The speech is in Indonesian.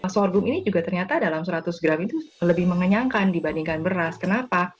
sorghum ini juga ternyata dalam seratus gram itu lebih mengenyangkan dibandingkan beras kenapa